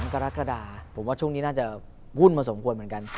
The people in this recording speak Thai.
กรกฎาผมว่าช่วงนี้น่าจะวุ่นมาสมควรเหมือนกัน